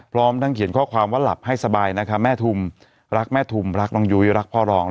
พร้อมทั้งเขียนข้อความว่าหลับให้สบายนะคะแม่ทุมรักแม่ทุมรักน้องยุ้ยรักพ่อรอง